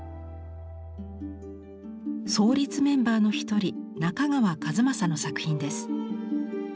創立メンバーの一人中川一政の作品です。